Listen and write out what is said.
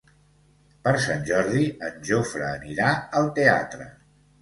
Per Sant Jordi en Jofre anirà al teatre.